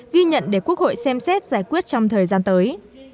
ghi nhận để quốc hội xem xét giải quyết trong thời gian tới